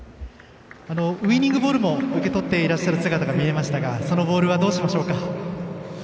ウイニングボールも受け取っていらっしゃる姿が見えましたがそのボールはどうしましょうか？